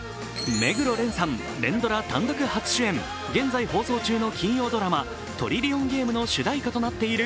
目黒蓮さん、連ドラ単独初主演現在放送中の金曜ドラマ、「トリリオンゲーム」の主題歌となっている